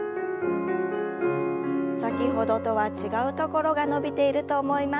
先ほどとは違うところが伸びていると思います。